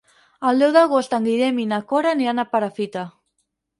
El deu d'agost en Guillem i na Cora aniran a Perafita.